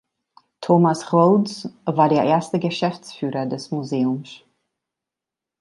Thomas Rhoads war der erste Geschäftsführer des Museums.